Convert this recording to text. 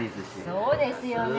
そうですよね。